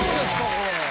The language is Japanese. これ。